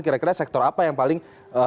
kira kira sektor apa yang paling